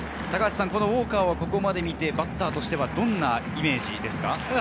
ウォーカーはここまで見てバッターとしてどんなイメージですか？